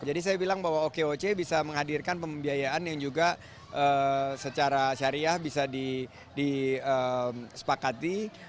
jadi saya bilang bahwa okoc bisa menghadirkan pembiayaan yang juga secara syariah bisa disepakati